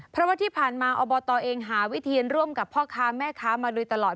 เพราะว่าที่ผ่านมาอบตเองหาวิธีร่วมกับพ่อค้าแม่ค้ามาโดยตลอด